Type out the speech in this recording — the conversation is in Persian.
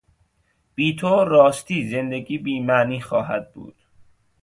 بی تو راستی زندگی بیمعنی خواهد بود.